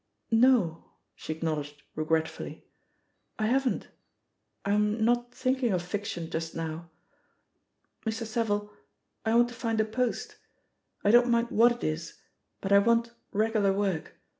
'* "No,'' she acknowledged regretfully, "I haven't — I'm not thinking of fiction just now. .•. Mr. Savile, I want to find a post — I don't mind what it is — ^but I want regular work.